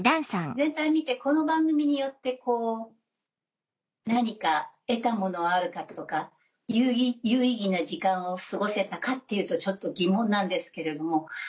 全体見てこの番組によって何か得たものはあるかとか有意義な時間を過ごせたかっていうとちょっと疑問なんですけれども。